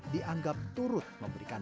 dianggap turut memberikan